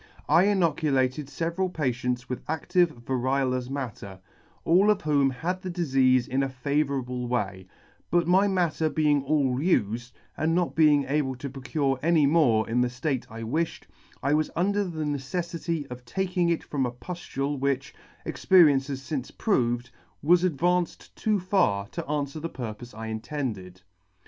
I inoculated feveral patients with acftive variolous matter, all of whom had the difeafe in a favourable way; but my matter being all ufed, and not being able to procure any more in the ftate I wiffied, I was under the neceflity of taking it from a puftule which, experience has fince proved, was advanced too far to anfwer the purpofe I intended.